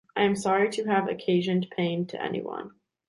I am sorry to have occasioned pain to anyone.